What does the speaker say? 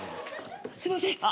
すいません。